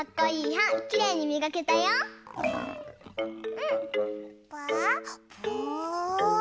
うん！